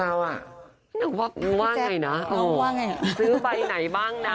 แล้วเราอ่ะนึกว่ากูว่าไงนะซื้อใบไหนบ้างนะ